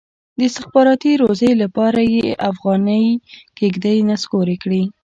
د استخباراتي روزۍ لپاره یې افغاني کېږدۍ نسکورې کړي.